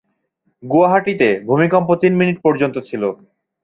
গুয়াহাটিতে, ভূমিকম্প তিন মিনিট পর্যন্ত ছিল।